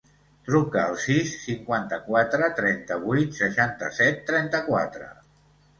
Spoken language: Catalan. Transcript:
Truca al sis, cinquanta-quatre, trenta-vuit, seixanta-set, trenta-quatre.